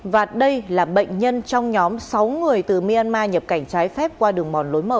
và đây là bệnh nhân trong nhóm sáu người từ myanmar nhập cảnh trái phép qua đường mòn lối mở